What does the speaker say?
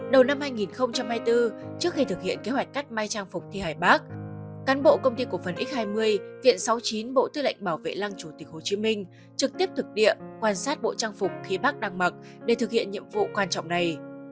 đầu năm hai nghìn hai mươi bốn trước khi thực hiện kế hoạch cắt may trang phục thi hải bác cán bộ công ty cổ phần x hai mươi viện sáu mươi chín bộ tư lệnh bảo vệ lăng chủ tịch hồ chí minh trực tiếp thực địa quan sát bộ trang phục khi bắc đang mặc để thực hiện nhiệm vụ quan trọng này